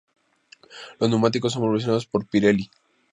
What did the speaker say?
Los neumáticos son proporcionados por Pirelli.